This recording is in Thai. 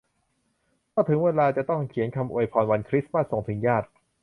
ก็ถึงเวลาจะต้องเขียนคำอวยพรวันคริสต์มาสส่งถึงญาติ